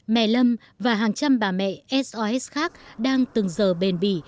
mẹ lâm và hàng trăm bà mẹ sos khác đang từng giờ bền bỉ